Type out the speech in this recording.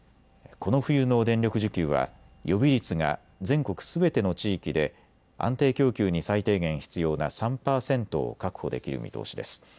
この冬の電力需給は予備率が全国すべての地域で安定供給に最低限必要な３％を確保できる見通しです。